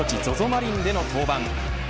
マリンでの登板。